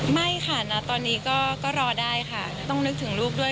ไม่ค่ะณตอนนี้ก็รอได้ค่ะต้องนึกถึงลูกด้วย